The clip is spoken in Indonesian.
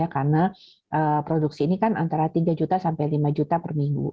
karena produksi ini kan antara tiga juta sampai lima juta per minggu